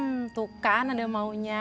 hmm tuh kan ada maunya